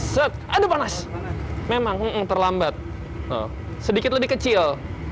set adu panas memang terlambat sedikit lebih kecil